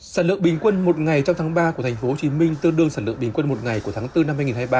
sản lượng bình quân một ngày trong tháng ba của tp hcm tương đương sản lượng bình quân một ngày của tháng bốn năm hai nghìn hai mươi ba